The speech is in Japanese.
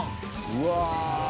うわ！